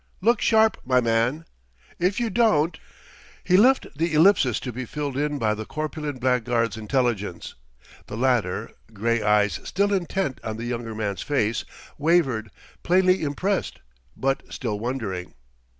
Look sharp, my man! If you don't..." He left the ellipsis to be filled in by the corpulent blackguard's intelligence. The latter, gray eyes still intent on the younger man's face, wavered, plainly impressed, but still wondering.